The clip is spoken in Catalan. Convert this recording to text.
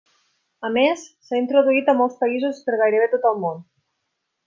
A més s'ha introduït a molts països per gairebé tot el món.